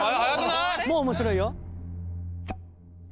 もう面白いよ。